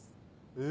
え！